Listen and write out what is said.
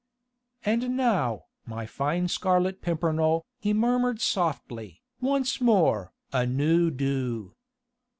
"And now, my fine Scarlet Pimpernel," he murmured softly, "once more à nous deux."